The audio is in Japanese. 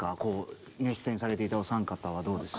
出演されていたお三方はどうですか？